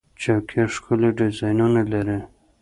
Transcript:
چوکۍ ښکلي ډیزاینونه لري.